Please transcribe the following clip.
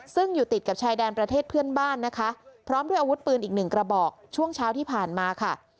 ซึ่งอยู่ติดกับชายแดนประเทศเพื่อนบ้านนะคะพร้อมด้วยอาวุธปืนอีกหนึ่งกระบอกช่วงเช้าที่ผ่านมาค่ะ